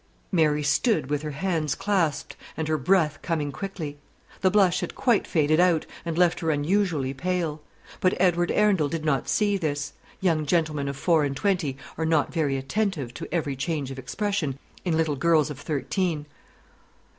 Mary stood with her hands clasped, and her breath coming quickly. The blush had quite faded out, and left her unusually pale. But Edward Arundel did not see this: young gentlemen of four and twenty are not very attentive to every change of expression in little girls of thirteen.